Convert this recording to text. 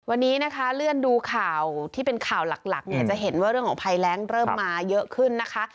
วันนี้นะคะเลื่อนดูข่าวที่เป็นข่าวหลักเนี่ยจะเห็นว่าเรื่องของภัยแรงเริ่มมาเยอะขึ้นนะคะ